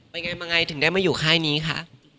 เป็นไงมาไงถึงได้มาอยู่ค่ายนี้คะ